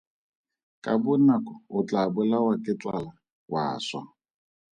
Ka bonako o tlaa bolawa ke tlala wa swa.